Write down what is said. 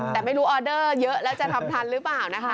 แต่ไม่รู้ออเดอร์เยอะแล้วจะทำทันหรือเปล่านะคะ